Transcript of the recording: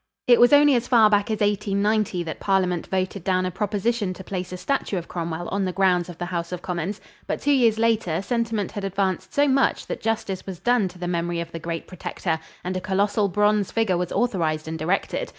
It was only as far back as 1890 that Parliament voted down a proposition to place a statue of Cromwell on the grounds of the House of Commons; but two years later sentiment had advanced so much that justice was done to the memory of the great Protector and a colossal bronze figure was authorized and erected.